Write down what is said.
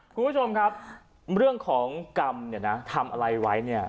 คุณผู้ชมครับเรื่องของกรรมเนี่ยนะทำอะไรไว้เนี่ย